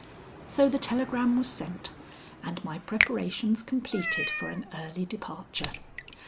So the telegram was sent, and my preparations completed for an early departure.